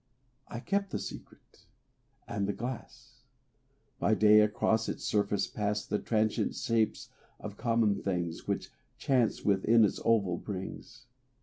I kept the secret and the glass; By day across its surface pass The transient shapes of common things Which chance within its oval brings.